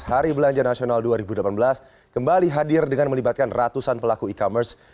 hari belanja nasional dua ribu delapan belas kembali hadir dengan melibatkan ratusan pelaku e commerce